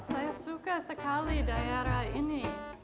saya suka sekali daerah ini